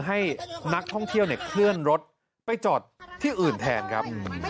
ให้นักท่องเที่ยวเนี่ยเคลื่อนรถไปจอดที่อื่นแทนครับ